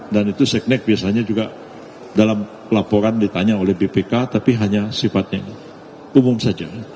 dan itu seknek biasanya juga dalam laporan ditanya oleh bpk tapi hanya sifatnya umum saja